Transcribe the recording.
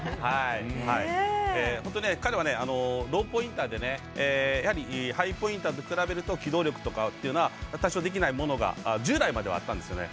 本当、彼はローポインターでやはり、ハイポインターと比べると機動力とか多少できないものが従来まではあったんですよね。